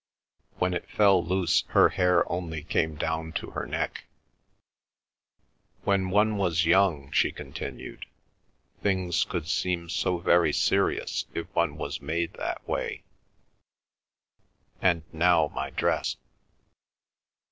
When it fell loose her hair only came down to her neck. "When one was young," she continued, "things could seem so very serious if one was made that way. ... And now my dress."